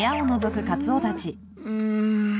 うん。